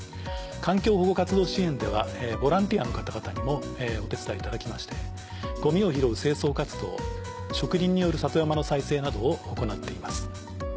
環境保護活動支援ではボランティアの方々にもお手伝いいただきましてゴミを拾う清掃活動植林による里山の再生などを行っています。